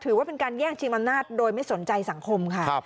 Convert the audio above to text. ถือว่าเป็นการแย่งชิงอำนาจโดยไม่สนใจสังคมค่ะ